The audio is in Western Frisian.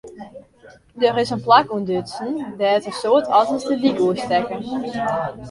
Der is in plak ûntdutsen dêr't in soad otters de dyk oerstekke.